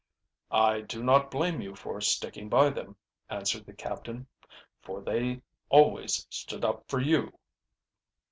"I do not blame you for sticking by them," answered the captain. "For they always stood up for you."